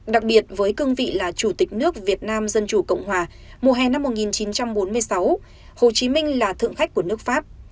đặc biệt với cương vị là chủ tịch nước việt nam dân chủ cộng hòa mùa hè năm một nghìn chín trăm bốn mươi sáu hồ chí minh là thượng khách của nước pháp